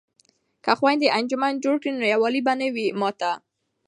که خویندې انجمن جوړ کړي نو یووالی به نه وي مات.